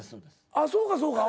ああそうかそうか。